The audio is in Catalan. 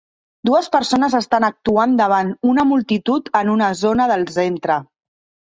Dues persones estan actuant davant una multitud en una zona del centre